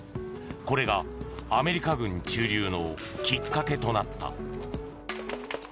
これがアメリカ軍駐留のきっかけとなった。